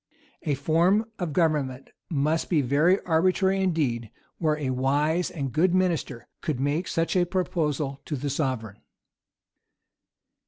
A form of government must be very arbitrary indeed, where a wise and good minister could make such a proposal to the sovereign.